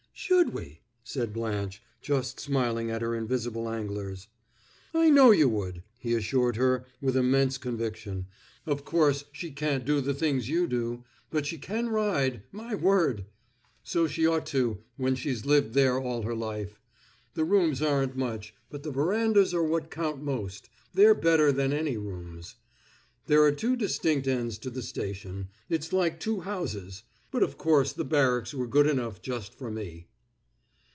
"Should we?" said Blanche, just smiling at her invisible anglers. "I know you would," he assured her with immense conviction. "Of course she can't do the things you do; but she can ride, my word! So she ought to, when she's lived there all her life. The rooms aren't much, but the verandas are what count most; they're better than any rooms. There are two distinct ends to the station it's like two houses; but of course the barracks were good enough just for me."